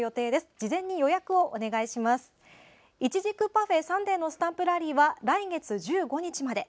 パフェ・サンデーのスタンプラリーは来月１５日まで。